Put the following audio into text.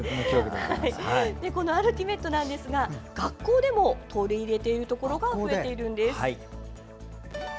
このアルティメットなんですが学校でも取り入れてるところが増えているんです。